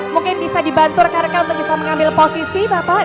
mungkin bisa dibantu rekan rekan untuk bisa mengambil posisi bapak